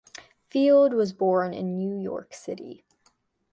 Field was born in New York City.